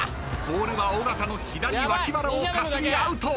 ［ボールは尾形の左脇腹をかすりアウト］